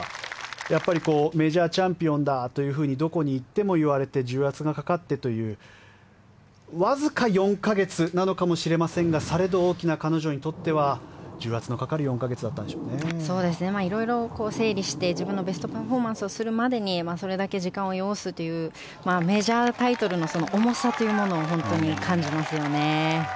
やっぱりメジャーチャンピオンだとどこに行っても言われて重圧がかかってというわずか４か月なのかもしれませんがされど彼女にとっては大きな重圧のかかる色々整理して自分のベストパフォーマンスをするまでにそれだけ時間を要すというメジャータイトルの重さというものを感じますよね。